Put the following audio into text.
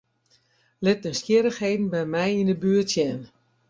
Lit nijsgjirrichheden by my yn 'e buert sjen.